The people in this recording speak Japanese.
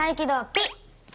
ピッ！